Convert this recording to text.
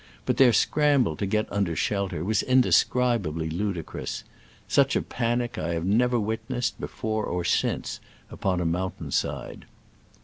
But their scramble to get un der shelter was indescribably ludicrous. Such a panic I have never witnessed, before or since, upon a mountain side.